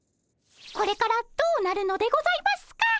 これからどうなるのでございますか？